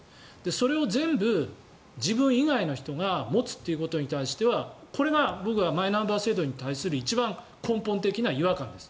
それを全部、自分以外の人が持つということに対してはこれが僕はマイナンバー制度に対する一番根本的な違和感です。